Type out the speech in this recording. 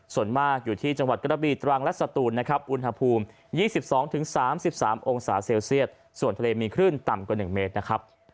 ส่วนมากอยู่ที่จังหวัดกระบีตรังและสตูนอุณหภูมิ๒๒๓๓องศาเซลเซียสส่วนทะเลมีขึ้นต่ำกว่าหนึ่งเมตร